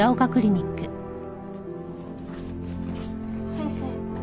先生。